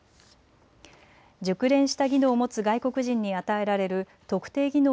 熟練した技能を持つ外国人に与えられる特定技能